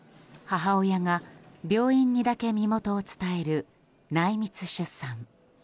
母親が病院にだけ身元を伝える内密出産。